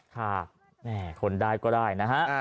ค่ะแม่คนได้ก็ได้นะฮะ